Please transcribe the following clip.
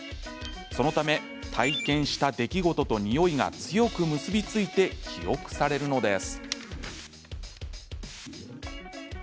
そのため、体験した出来事と匂いが強く結び付いて記憶されるのです。